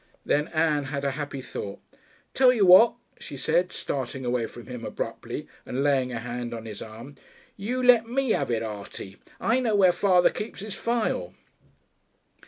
Then Ann had a happy thought. "Tell you what," she said, starting away from him abruptly and laying a hand on his arm, "you let me 'ave it, Artie. I know where father keeps his file."